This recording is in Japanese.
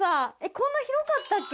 こんな広かったっけ？